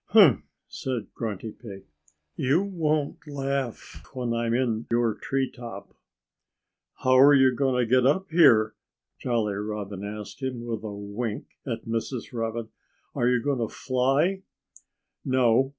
"Umph!" said Grunty Pig. "You won't laugh when I'm in your tree top." "How are you going to get up here?" Jolly Robin asked him, with a wink at Mrs. Robin. "Are you going to fly?" "No!"